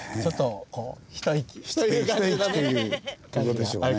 一息というとこでしょうね。